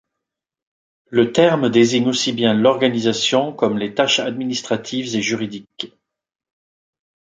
Le terme désigne aussi bien l'organisation comme les tâches administratives et juridiques.